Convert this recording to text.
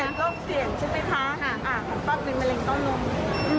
แต่คนที่สนใจอย่างบ้านเนี่ย